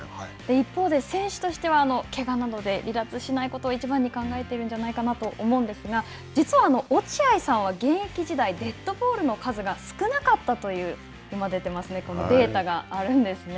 一方で、選手としてはけがなどで離脱しないことをいちばんに考えているんじゃないかなと思うんですが、実は、落合さんは現役時代デッドボールの数が少なかったという今、出てますね、データがあるんですね。